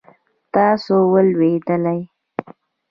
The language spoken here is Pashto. تاسو ولوېدلئ؟